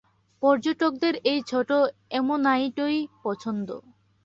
পর্যটকদের এই ছোটো অ্যামোনাইটই পছন্দ।